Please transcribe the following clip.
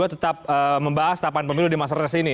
tetap membahas tahapan pemilu di masa reses ini